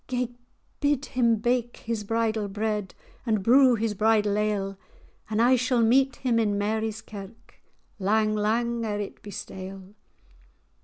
"Gae bid him bake his bridal bread, And brew his bridal ale; And I shall meet him in Mary's Kirk, Lang, lang ere it be stale."